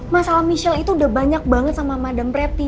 masalah michelle itu udah banyak banget sama madam repti